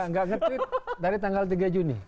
saya tweet dari tanggal tiga juni